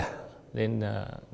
nên đối tượng đã lẩn trốn